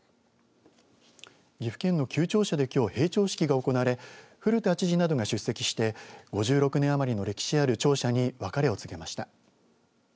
岐阜県の旧庁舎できょう閉庁式が行われ古田知事などが出席して５６年余りの歴史ある庁舎に別れを告げました。